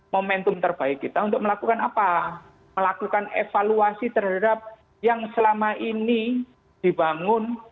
momentum terbaik kita untuk melakukan apa melakukan evaluasi terhadap yang selama ini dibangun